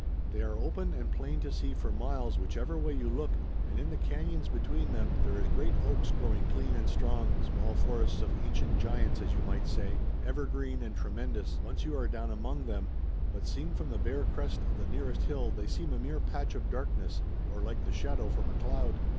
They are open and plain to see for miles whichever way you look, and in the canons between them there is great oaks growing clean and strong, small forests of ancient giants as you might say, evergreen and tremendous, once you are down among them, but seen from the bare crest of the nearest hill they seem a mere patch of darkness or like the shadow from a cloud.